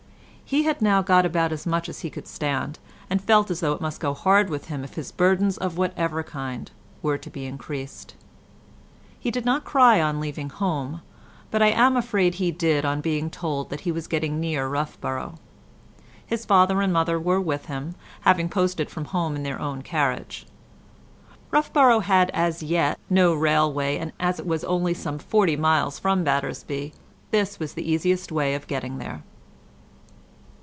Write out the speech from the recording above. He had now got about as much as he could stand, and felt as though it must go hard with him if his burdens of whatever kind were to be increased. He did not cry on leaving home, but I am afraid he did on being told that he was getting near Roughborough. His father and mother were with him, having posted from home in their own carriage; Roughborough had as yet no railway, and as it was only some forty miles from Battersby, this was the easiest way of getting there.